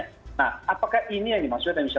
apakah sangat cukup dalam gitu